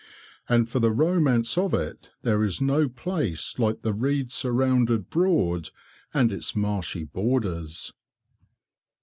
And for the romance of it there is no place like the reed surrounded Broad and its marshy borders.